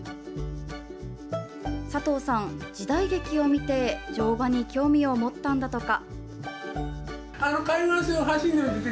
佐藤さん、時代劇を見て乗馬に興味を持ったんだとか。